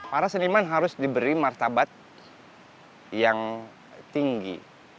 para seniman harus diberi martabat yang tinggi